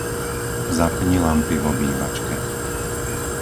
Zapni lampy v obývačke.